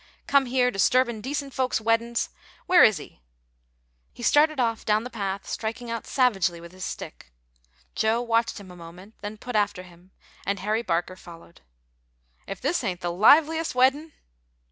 "Come here disturbin' decent folks' weddin's! Where is he?" He started off down the path, striking out savagely with his stick. Joe watched him a moment, then put after him, and Harry Barker followed. "If this ain't the liveliest weddin'!"